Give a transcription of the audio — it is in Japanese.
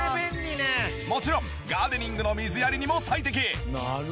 もちろんガーデニングの水やりにも最適。